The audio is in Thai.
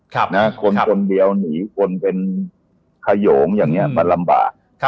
คนคนเดียวหนีคนเป็นขยงอย่างนี้มันลำบาก